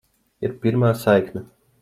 Ir pirmā saikne.